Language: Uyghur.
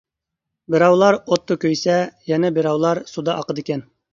بىراۋلار ئوتتا كۆيسە يەنە بىراۋلار سۇدا ئاقىدىكەن.